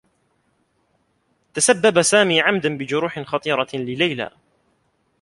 تسبّب سامي عمدا بجروح خطيرة ليلي.